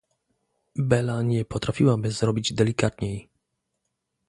"Bela nie potrafiłaby zrobić delikatniej..."